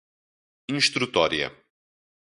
instrutória